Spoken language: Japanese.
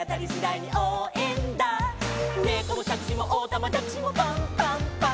「ねこもしゃくしもおたまじゃくしもパンパンパン！！」